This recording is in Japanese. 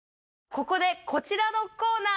ここでこちらのコーナー！